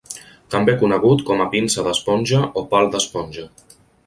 També conegut com a pinça d'esponja o pal d'esponja.